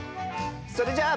それじゃあ。